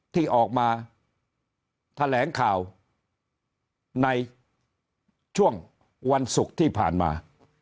ที่ออกมาแถลงข่าวในช่วงวันศุกร์ที่ผ่านมา